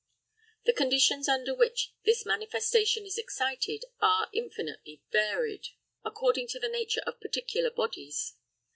The conditions under which this manifestation is excited are infinitely varied, according to the nature of particular bodies.